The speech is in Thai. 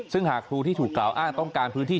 ซึ่งหากครูที่ถูกกล่าวอ้างต้องการพื้นที่